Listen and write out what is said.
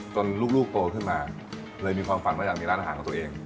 ลูกโตขึ้นมาเลยมีความฝันว่าอยากมีร้านอาหารของตัวเอง